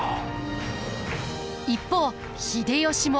一方秀吉も。